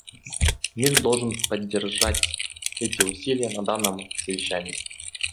Мир должен поддержать эти усилия на данном совещании.